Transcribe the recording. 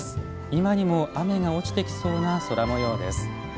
今にも雨が落ちてきそうな空もようです。